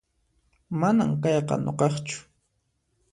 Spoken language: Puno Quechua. Manan kayqa nuqaqchu